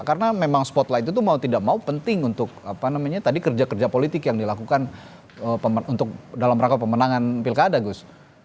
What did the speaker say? karena memang spotlight itu mau tidak mau penting untuk apa namanya tadi kerja kerja politik yang dilakukan untuk dalam rangka pemenangan pilkada gus